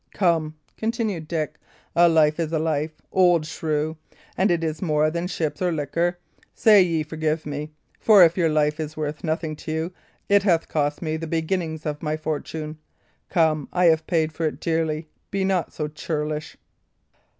"Come," continued Dick, "a life is a life, old shrew, and it is more than ships or liquor. Say ye forgive me; for if your life be worth nothing to you, it hath cost me the beginnings of my fortune. Come, I have paid for it dearly; be not so churlish."